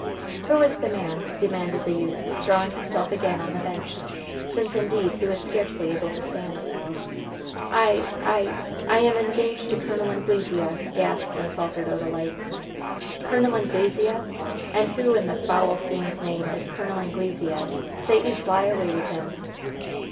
"Who is the man?" demanded the youth, throwing himself again on the bench, since indeed he was scarcely able to stand. "I I I am engaged to Col. Anglesea," gasped and faltered Odalite. "'Col. Anglesea!' And who, in the foul fiend's name, is Col. Anglesea? Satan fly away with him!"